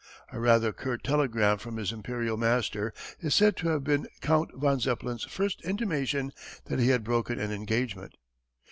A rather curt telegram from his Imperial master is said to have been Count von Zeppelin's first intimation that he had broken an engagement.